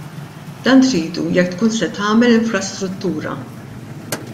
Dan tridu jekk tkun se tagħmel infrastruttura.